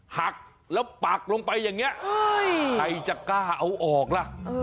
หักแล้วปักลงไปอย่างนี้ใครจะกล้าเอาออกล่ะ